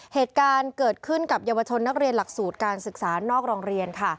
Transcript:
เหตุการณ์เกิดขึ้นกับเยาวชนนักเรียนหลักสูตรการศึกษานอกโรงเรียนค่ะ